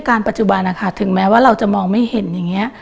วิจารณ์ปัจจุบันถึงแม้ว่าเราจะมองไม่เห็นอย่างนี้